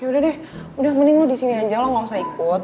yaudah deh udah mending lu disini aja lo gak usah ikut